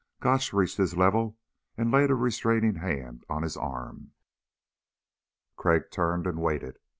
Gotch reached his level and laid a restraining hand on his arm. Crag turned and waited.